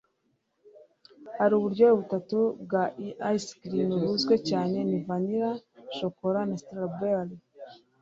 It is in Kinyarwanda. ahari uburyohe butatu bwa ice cream buzwi cyane ni vanilla, shokora na strawberry